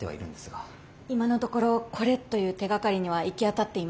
今のところこれという手がかりには行き当たっていません。